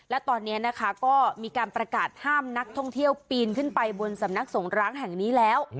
และตอนนี้นะคะก็มีการประกาศห้ามนักท่องเที่ยวปีนขึ้นไปบนสำนักสงร้างแห่งนี้แล้ว